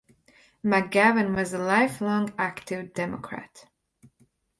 McGavin was a lifelong active Democrat.